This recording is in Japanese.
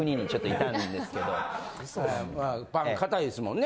パンかたいですもんね。